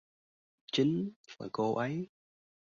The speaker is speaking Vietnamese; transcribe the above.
Chính là cô ấy